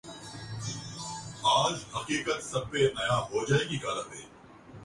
اسلام باد کے چڑیا گھر میں قید ہاتھی کی رہائی پر امریکی گلوکارہ خوش